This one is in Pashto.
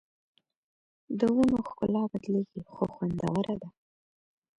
د ونو ښکلا بدلېږي خو خوندوره ده